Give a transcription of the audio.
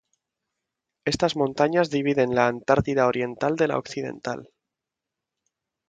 Estas montañas dividen la Antártida oriental de la occidental.